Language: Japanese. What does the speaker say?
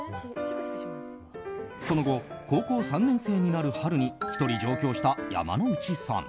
その後、高校３年生になる春に１人、上京した山之内さん。